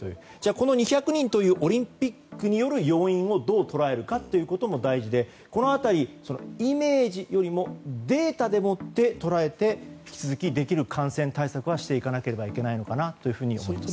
この２００人というオリンピックによる要因をどう捉えるかということも大事でこの辺り、イメージよりもデータでもって捉えて引き続き、できる感染対策をしていかなければならないのかなと思います。